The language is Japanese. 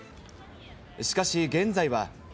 しかし現在は。